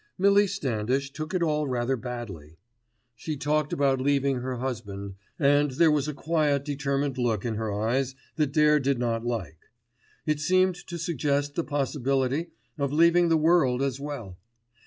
Millie Standish took it all rather badly. She talked about leaving her husband, and there was a quiet determined look in her eyes that Dare did not like: it seemed to suggest the possibility of leaving the world as well.